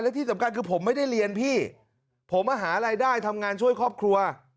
และที่สำคัญคือผมไม่ได้เรียนพี่ผมมาหารายได้ทำงานช่วยครอบครัว